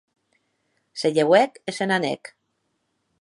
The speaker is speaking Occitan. Se lheuèc e se n'anèc.